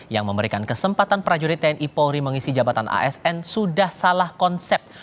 yang memberikan kesempatan prajurit tni polri mengisi jabatan asn sudah salah konsep